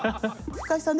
深井さん。